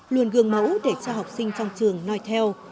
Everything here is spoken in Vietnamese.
luôn gương mẫu để cho học sinh trong trường nói theo